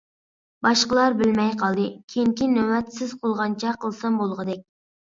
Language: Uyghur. باشقىلار بىلمەي قالدى، كېيىنكى نۆۋەت سىز قىلغانچە قىلسام بولغۇدەك.